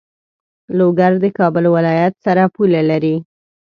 لوګر د کابل ولایت سره پوله لری.